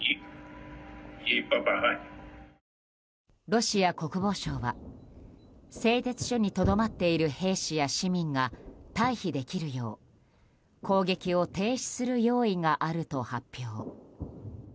ロシア国防省は製鉄所にとどまっている兵士や市民が退避できるよう攻撃を停止する用意があると発表。